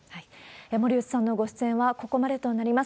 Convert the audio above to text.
森内さんのご出演はここまでとなります。